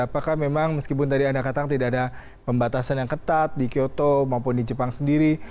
apakah memang meskipun tadi anda katakan tidak ada pembatasan yang ketat di kyoto maupun di jepang sendiri